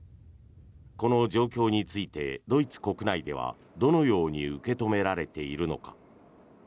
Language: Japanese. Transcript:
この状況についてドイツ国内ではどのように受け止められているのか。